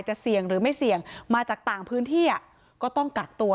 เสี่ยงหรือไม่เสี่ยงมาจากต่างพื้นที่ก็ต้องกักตัว